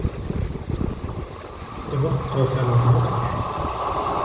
توقّف المطر.